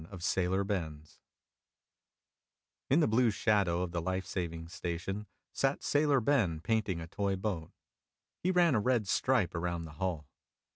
iu7,il ' IN the blue shadow of the Life Saving Station sat Sailor Ben painting a toy boat. He ran a red stripe around the hull.